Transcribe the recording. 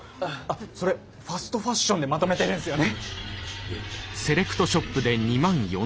それファストファッションでまとめてるんですよね？